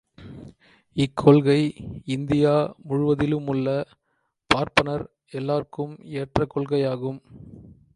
இக்கொள்கை India முழுவதிலுமுள்ள பார்ப்பனர் எல்லார்க்கும் ஏற்ற கொள்கையாகும்.